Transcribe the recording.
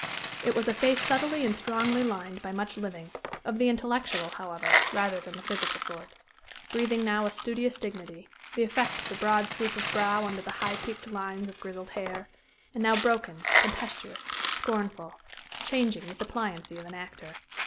It was a face subtly and strongly lined by much living of the intellectual, however, rather than the physical sort; breathing now a studious dignity, the effect of the broad sweep of brow under the high peaked lines of grizzled hair, and now broken, tempestuous, scornful, changing with the pliancy of an actor.